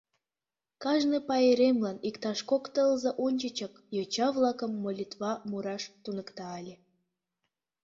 Кажне пайремлан иктаж кок тылзе ончычак йоча-влакым молитва мураш туныкта ыле.